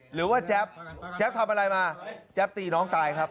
แจ๊บแจ๊บทำอะไรมาแจ๊บตีน้องตายครับ